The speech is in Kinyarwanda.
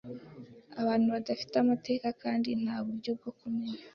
abantu badafite amateka kandi nta buryo bwo kumenya